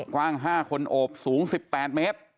กว้าง๕คนโอบสูง๑๘เมตร